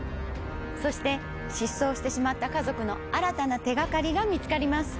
そして失踪してしまった家族の新たな手掛かりが見つかります。